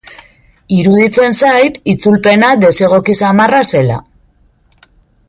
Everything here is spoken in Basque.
Iruditzen zait itzulpena desegoki samarra zela.